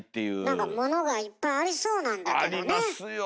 なんか、物がいっぱいありそうなんだけどね。ありますよ！